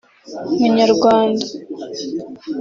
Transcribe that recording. “Munyarwanda